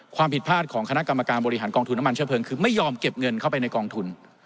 ความผิดพลาดของคณะกรรมการบริหารกองทุนน้ำมันเชื้อเพลิงคือไม่ยอมเก็บเงินเข้าไปในกองทุน